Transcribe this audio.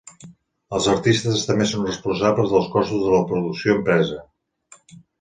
Els artistes també són responsables dels costos de la producció impresa.